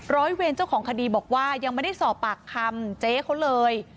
ร้อยเวรเจ้าของคดีบอกว่ายังไม่ได้สอบปากคำเจ๊เขาเลย